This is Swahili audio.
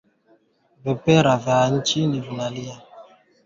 upele huo unaweza kuganda kwa wanyama wasiokuwa wagonjwa